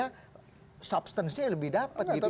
karena substansinya lebih dapat gitu